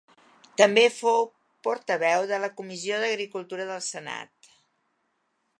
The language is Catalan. També fou portaveu de la Comissió d'Agricultura del Senat.